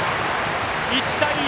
１対１！